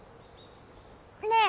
ねえ！